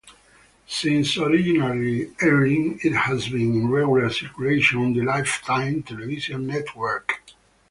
Since originally airing, it has been in regular circulation on the Lifetime television network.